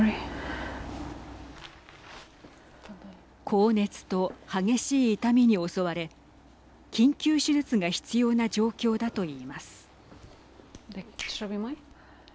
高熱と激しい痛みに襲われ緊急手術が必要な状況だといいます。